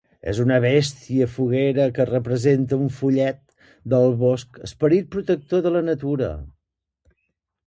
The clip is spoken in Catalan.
És una bèstia foguera que representa un follet del bosc, esperit protector de la natura.